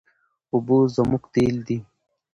اوبه زموږ تېل دي.